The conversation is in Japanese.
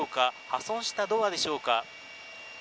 破損したドアでしょうか。